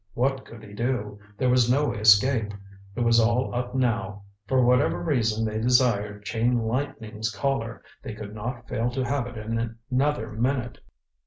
What could he do? There was no escape. It was all up now for whatever reason they desired Chain Lightning's Collar, they could not fail to have it in another minute.